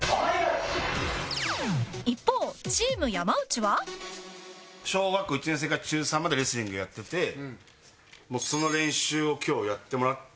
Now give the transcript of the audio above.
一方小学校１年生から中３までレスリングやっててもうその練習を今日やってもらって。